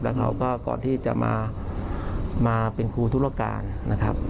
แล้วเขาก็ก่อนที่จะมาเป็นครูธุรการนะครับ